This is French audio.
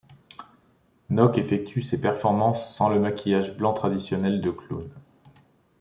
Nock effectue ses performances sans le maquillage blanc traditionnel de clown.